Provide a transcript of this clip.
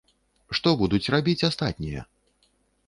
Што будуць рабіць астатнія?